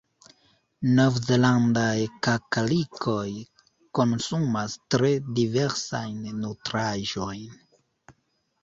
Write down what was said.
Novzelandaj kakarikoj konsumas tre diversajn nutraĵojn.